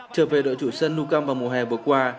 trở về đội chủ sân nou camp vào mùa hè vừa qua